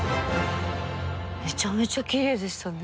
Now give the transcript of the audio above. めちゃめちゃきれいでしたね。